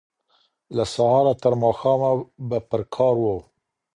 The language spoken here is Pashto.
له سهاره ترماښامه به پر کار و